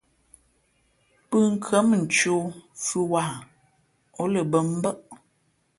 Pʉ̄nkhʉ̄ᾱ mα ncēh o fʉ̄ wāha , ǒ lα bᾱ mbάʼ.